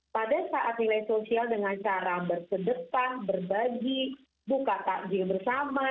pada saat nilai sosial dengan cara berkedepan berbagi buka takjil bersama